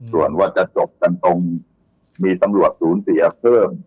ส่วนว่าจะจบกันตรงมีตำรวจศูนย์เสียเพิ่ม